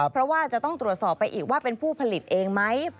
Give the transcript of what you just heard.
เพราะว่าจะต้องตรวจสอบไปอีกว่าเป็นผู้ผลิตเองไหม